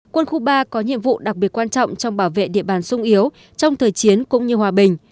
quân khu ba có nhiệm vụ đặc biệt quan trọng trong bảo vệ địa bàn sung yếu trong thời chiến cũng như hòa bình